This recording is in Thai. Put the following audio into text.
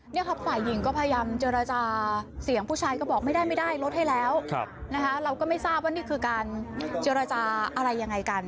นี่ครับฝ่ายหญิงก็พยายามเจรจาเสียงผู้ชายก็บอกไม่ได้ไม่ได้ลดให้แล้วนะคะเราก็ไม่ทราบว่านี่คือการเจรจาอะไรยังไงกัน